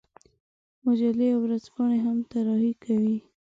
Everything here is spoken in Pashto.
مجلې او ورځپاڼې هم طراحي کوي.